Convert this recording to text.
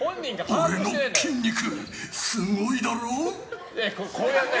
俺の筋肉、すごいだろ？